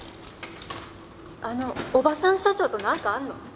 あのおばさん社長となんかあんの？